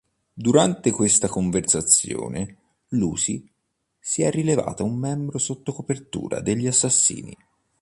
Durante questa conversazione, Lucy si è rivelata un membro sotto copertura degli Assassini.